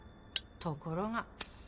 ところが。